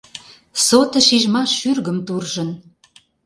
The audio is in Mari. Сото шижмаш шӱргым туржын…